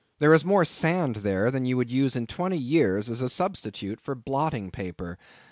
There is more sand there than you would use in twenty years as a substitute for blotting paper.